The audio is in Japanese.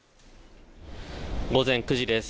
午前９時です。